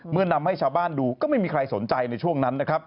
เมื่อนำให้ชาวบ้านดูก็ไม่มีใครสนใจในช่วงนั้น